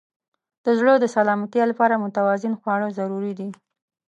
د زړه د سلامتیا لپاره متوازن خواړه ضروري دي.